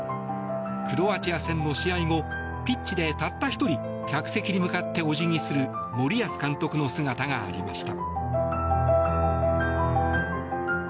クロアチア戦の試合後ピッチでたった１人客席に向かってお辞儀する森保監督の姿がありました。